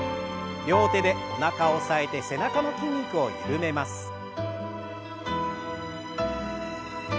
両手でおなかを押さえて背中の筋肉を緩めます。